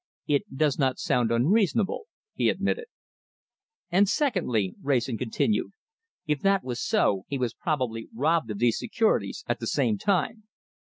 "It does not sound unreasonable," he admitted. "And secondly," Wrayson continued, "if that was so, he was probably robbed of these securities at the same time."